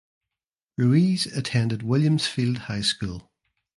Ruiz attended Williams Field High School.